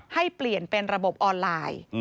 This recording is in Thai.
ให้เปลี่ยนเป็นระบบออนไลน์